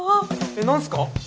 えっ何すか？